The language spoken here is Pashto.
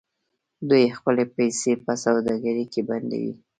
دوی خپلې پیسې په سوداګرۍ کې بندوي.